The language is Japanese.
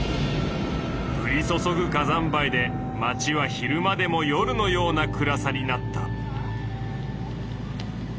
ふり注ぐ火山灰で街は昼間でも夜のような暗さになった。